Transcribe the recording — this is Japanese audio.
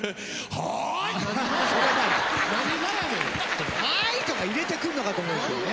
「はい！」とか入れてくんのかと思ったよね。